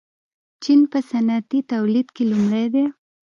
چین په صنعتي تولید کې لومړی دی.